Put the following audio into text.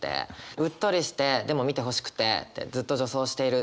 うっとりしてでも見てほしくてってずっと助走している。